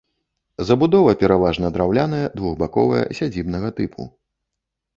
Забудова пераважна драўляная, двухбаковая, сядзібнага тыпу.